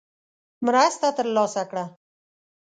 مرسته ترلاسه کړه.